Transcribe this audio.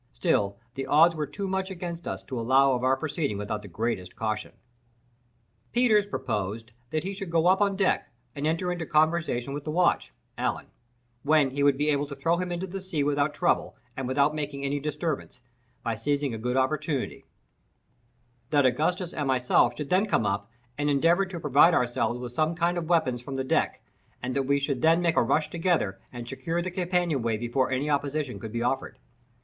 Still the odds were too much against us to allow of our proceeding without the greatest caution. Peters proposed that he should go up on deck, and enter into conversation with the watch (Allen), when he would be able to throw him into the sea without trouble, and without making any disturbance, by seizing a good opportunity, that Augustus and myself should then come up, and endeavour to provide ourselves with some kind of weapons from the deck, and that we should then make a rush together, and secure the companion way before any opposition could be offered.